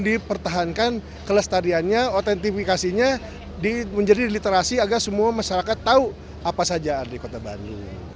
kita pertahankan keles tariannya otentifikasinya menjadi literasi agar semua masyarakat tahu apa saja ada di kota bandung